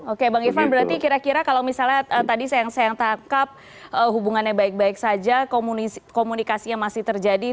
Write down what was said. oke bang ivan berarti kira kira kalau misalnya tadi yang saya yang tangkap hubungannya baik baik saja komunikasinya masih terjadi